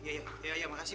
iya iya makasih makasih